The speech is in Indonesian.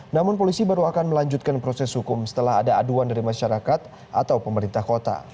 namun polisi baru akan melanjutkan proses hukum setelah ada aduan dari masyarakat atau pemerintah kota